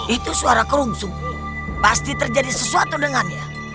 itu suara kerungsung pasti terjadi sesuatu dengannya